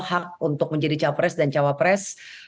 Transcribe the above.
hak untuk menjadi capres dan cawapres